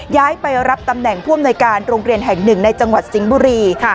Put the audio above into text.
ย้ายไปรับตำแหน่งผู้อำนวยการโรงเรียนแห่งหนึ่งในจังหวัดสิงห์บุรี